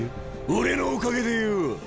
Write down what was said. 俺のおかげでよ！